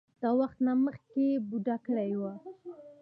د وخت نه مخکښې بوډا کړے وۀ ـ